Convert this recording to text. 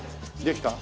できた？